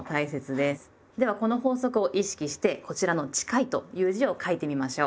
ではこの法則を意識してこちらの「近い」という字を書いてみましょう！